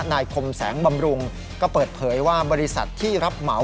นายคมแสงบำรุงก็เปิดเผยว่าบริษัทที่รับเหมา